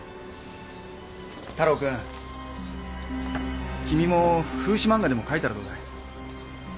太郎君君も風刺漫画でも描いたらどうだい？